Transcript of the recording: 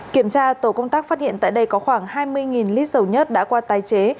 kiểm tra tổ công tác phát hiện tại đây có khoảng hai mươi lít dầu nhất đã qua tái chế